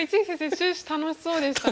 終始楽しそうでしたね。